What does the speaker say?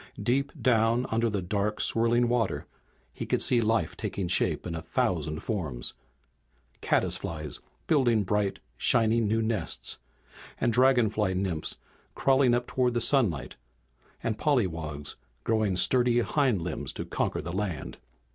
Deep down under the dark, swirling water he could see life taking shape in a thousand forms. Caddis flies building bright, shining new nests, and dragonfly nymphs crawling up toward the sunlight, and pollywogs growing sturdy hindlimbs to conquer the land.